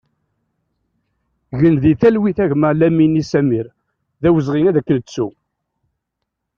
Gen di talwit a gma Lamini Samir, d awezɣi ad k-nettu!